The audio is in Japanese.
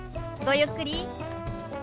ごゆっくり。